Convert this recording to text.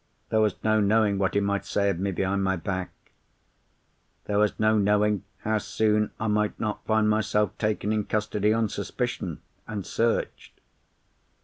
There was no knowing what he might say of me behind my back; there was no knowing how soon I might not find myself taken in custody on suspicion, and searched.